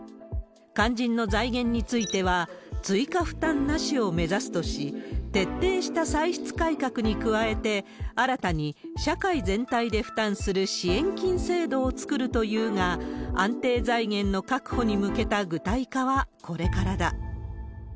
保育士さんの確保とか、徹底した歳出改革に加えて、新たに社会全体で負担する支援金制度を作るというが、安定財源の確保に向けた具体化はこれからだ。